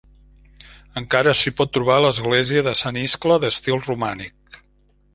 Encara s'hi pot trobar l'església de Sant Iscle d'estil romànic.